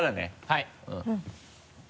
はい。